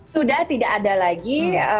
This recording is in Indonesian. sudah tidak ada lagi